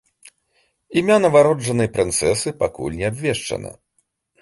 Імя нованароджанай прынцэсы пакуль не абвешчана.